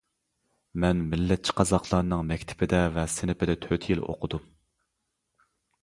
مەن مىللەتچى قازاقلارنىڭ مەكتىپىدە ۋە سىنىپىدا تۆت يىل ئوقۇدۇم.